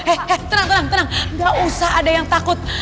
eh eh tenang tenang tenang gak usah ada yang takut